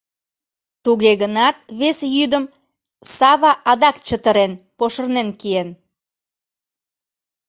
Туге гынат вес йӱдым Сава адак чытырен пошырнен киен.